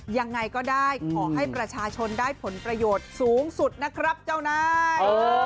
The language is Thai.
ยังไงก็ได้ขอให้ประชาชนได้ผลประโยชน์สูงสุดนะครับเจ้านาย